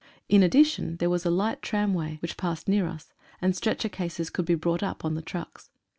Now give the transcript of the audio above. In addition there was a light tramway, which passed near us, and stretcher cases could be brought up on the trucks.